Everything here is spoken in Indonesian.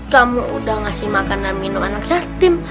kamu sudah memberi makanan minum anak yatim